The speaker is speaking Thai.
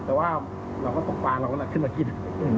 แต่ว่าเราก็ต้องฝ่าเราก็น่ะขึ้นมากิน